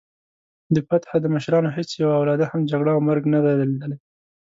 د فتح د مشرانو هیڅ یوه اولاد هم جګړه او مرګ نه دی لیدلی.